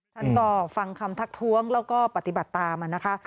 ท่านก็ฟังคำทักท้วงแล้วก็ปฏิบัติตามนะคะ